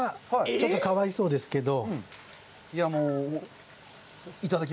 ちょっと、かわいそうですけど。